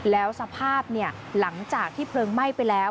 แล้วสภาพหลังจากที่เพลิงไหม้ไปแล้ว